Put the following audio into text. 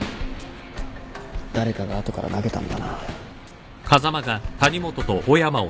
誰かが後から投げたんだな。